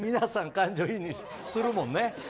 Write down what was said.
感情移入するもんね。